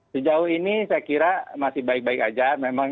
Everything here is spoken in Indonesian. sejauh ini saya kira masih baik baik saja